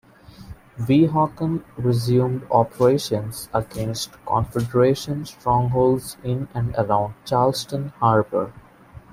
"Weehawken" resumed operations against Confederate strongholds in and around Charleston harbor.